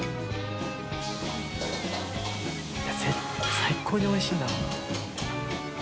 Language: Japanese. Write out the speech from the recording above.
最高においしいんだろうな海